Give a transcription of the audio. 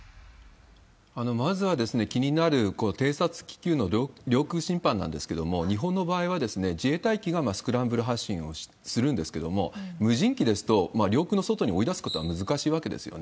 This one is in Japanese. まずは、気になる偵察気球の領空侵犯なんですけれども、日本の場合は、自衛隊機がスクランブル発進をするんですけれども、無人機ですと、領空の外に追い出すことは難しいわけですよね。